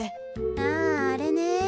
ああれね。